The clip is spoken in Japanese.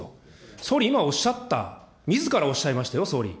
総理、今おっしゃった、みずからおっしゃいましたよ、総理。